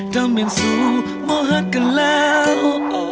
ด้านเมืองสูงมองหักกันแล้ว